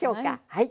はい。